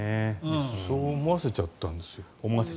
そう思わせちゃったんですよ。